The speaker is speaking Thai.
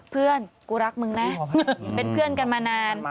เพื่อนกูรักมึงนะเป็นเพื่อนกันมานาน